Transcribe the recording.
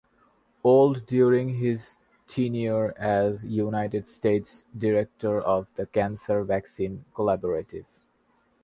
Old during his tenure as United States Director of the Cancer Vaccine Collaborative.